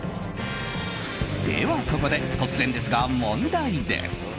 では、ここで突然ですが問題です！